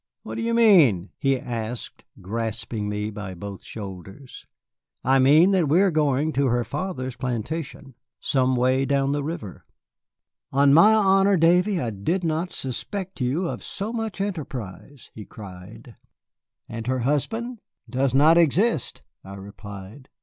"What do you mean?" he asked, grasping me by both shoulders. "I mean that we are going to her father's plantation, some way down the river." "On my honor, Davy, I did not suspect you of so much enterprise," he cried. "And her husband ?" "Does not exist," I replied.